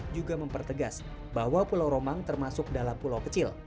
juga mempertegas bahwa pulau romang termasuk dalam pulau kecil